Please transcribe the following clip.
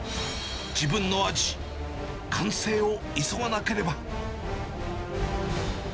自分の味、完成を急がなければ。